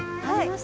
はい。